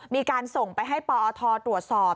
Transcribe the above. มีการส่งไปให้ปอทตรวจสอบ